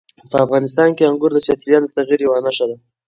افغانستان کې انګور د چاپېریال د تغیر یوه نښه ده.